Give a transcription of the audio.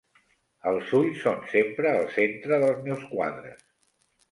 Els ulls són sempre el centre dels meus quadres.